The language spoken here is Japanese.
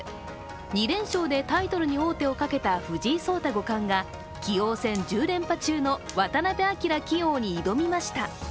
２連勝でタイトルに王手をかけた藤井聡太五冠が棋王戦１０連覇中の渡辺明棋王に挑みました。